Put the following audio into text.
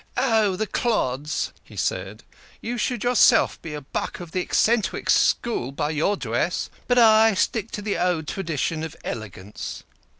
"Ah, the clods !" he said. "You should yourself be a THE KING OF SCHNORRERS. 143 buck of the eccentric school by your dress. But I stick to the old tradition of elegance."